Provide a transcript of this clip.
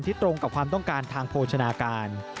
ตรงกับความต้องการทางโภชนาการ